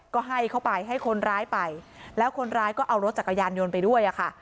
ก็ให้เขาไปให้คนร้ายไปแล้วคนร้ายก็เอารถจักรยานยนต์ไปด้วยอะค่ะ